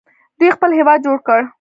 دوی خپل هیواد جوړ کړ.